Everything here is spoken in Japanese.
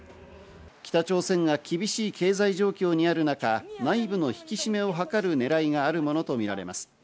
北朝鮮が厳しい経済状況にある中、内部の引き締めを図るねらいがあるものとみられます。